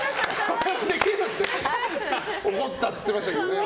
それで怒ったって言ってましたけどね。